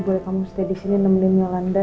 boleh kamu stay di sini nemenin yolanda